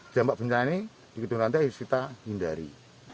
dampak bencana ini di gedung rantai harus kita hindari